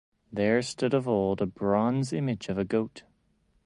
There stood of old a bronze image of a goat.